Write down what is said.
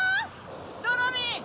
ドロリン！